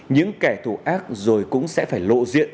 những kẻ thù ác rồi cũng sẽ phải lộ diện